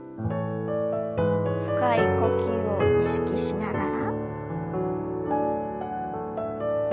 深い呼吸を意識しながら。